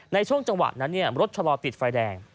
ในช่วงจังหวะนั้นรถชะลอติดไฟแดง